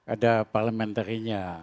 ada parliamentary nya